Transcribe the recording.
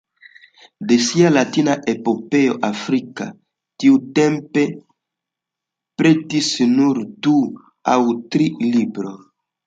De sia Latina epopeo Africa tiutempe pretis nur du aŭ tri libroj.